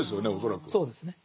そうですね。